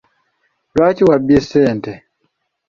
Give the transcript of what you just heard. Lwaki wabbye sente?